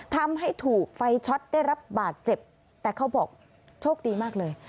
ทำให้ถูกไฟช็อตได้รับบาดเจ็บแต่เขาบอกโชคดีมากเลย